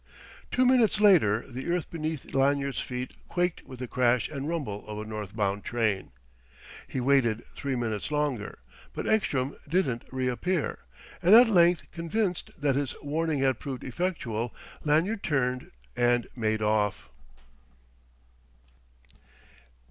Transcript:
Two minutes later the earth beneath Lanyard's feet quaked with the crash and rumble of a north bound train. He waited three minutes longer; but Ekstrom didn't reappear; and at length convinced that his warning had proved effectual, Lanyard turned and made off.